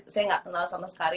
saya nggak kenal sama sekali